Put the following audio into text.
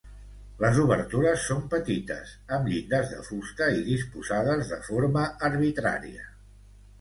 Les obertures són petites, amb llindes de fusta i disposades de forma arbitrària.